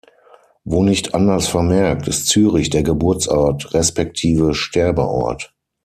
Wo nicht anders vermerkt, ist Zürich der Geburtsort respektive Sterbeort.